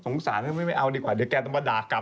สารก็ไม่เอาดีกว่าเดี๋ยวแกต้องมาด่ากลับ